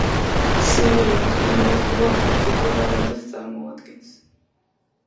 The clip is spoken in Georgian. სიმღერების უმრავლესობა აკუსტიკურ ბალადას წარმოადგენს.